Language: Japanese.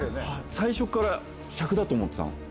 最初っから笏だと思ってたの。